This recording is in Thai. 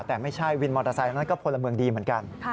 แต่ไม่ใช่วินมอเตอร์ไซค์นั้นก็พลเมืองดีเหมือนกัน